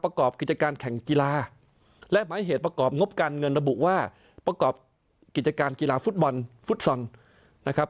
ประกอบกิจการแข่งกีฬาและหมายเหตุประกอบงบการเงินระบุว่าประกอบกิจการกีฬาฟุตบอลฟุตซอลนะครับ